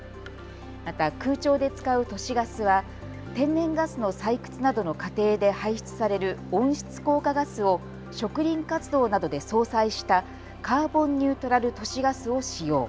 また空調で使う都市ガスは天然ガスの採掘などの過程で排出される温室効果ガスを植林活動などで相殺したカーボンニュートラル都市ガスを使用。